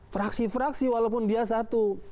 fraksi fraksi walaupun dia satu